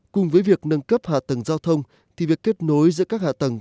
cùng với việc nâng cấp hạ tầng giao thông thì việc kết nối giữa các hạ tầng